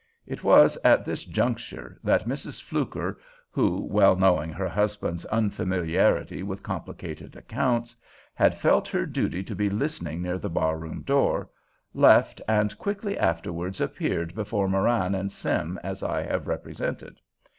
It was at this juncture that Mrs. Fluker, who, well knowing her husband's unfamiliarity with complicated accounts, had felt her duty to be listening near the bar room door, left, and quickly afterwards appeared before Marann and Sim as I have represented.